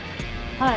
はい。